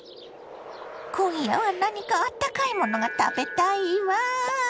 今夜は何かあったかいものが食べたいわ。